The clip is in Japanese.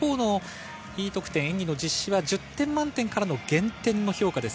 Ｅ得点、演技の実施は１０点満点からの減点の評価です。